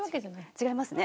違いますね。